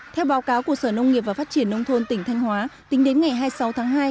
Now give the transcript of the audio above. theo báo cáo của sở nông nghiệp và phát triển nông thôn tỉnh thanh hóa tính đến ngày hai mươi sáu tháng hai